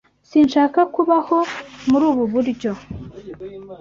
Sinshaka kubaho muri ubu buryo.